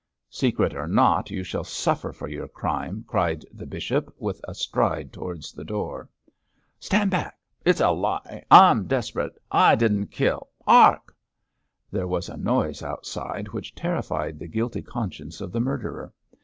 'Secret or not, you shall suffer for your crime,' cried the bishop, with a stride towards the door. 'Stand back! It's a lie! I'm desperate. I didn't kill Hark!' There was a noise outside which terrified the guilty conscience of the murderer.